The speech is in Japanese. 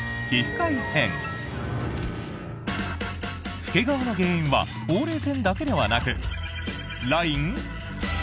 老け顔の原因はほうれい線だけではなく○○ライン？